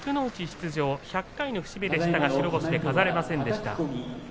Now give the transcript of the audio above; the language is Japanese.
出場１００回の節目でしたが白星で飾れませんでした。